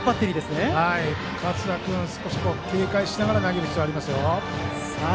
勝田君、少し警戒しながら投げる必要があります。